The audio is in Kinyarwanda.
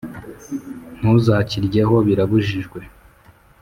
Ntuzakiryeho birabujijwe.